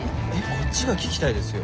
こっちが聞きたいですよ。